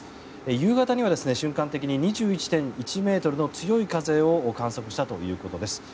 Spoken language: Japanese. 夕方には瞬間的に２１．１ｍの強い風を観測したということです。